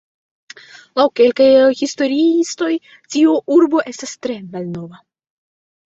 Laŭ kelkaj historiistoj tiu urbo estas tre malnova.